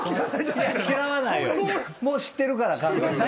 もう知ってるから。